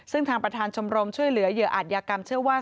ซึ่งทางประธานชมรมช่วยเหลือเหยื่ออาจยากรรมเชื่อว่า